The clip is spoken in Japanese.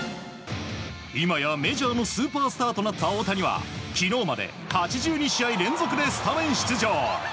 今やメジャーのスーパースターとなった大谷は昨日まで８２試合連続でスタメン出場。